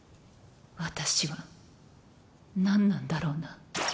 私は何なんだろうな。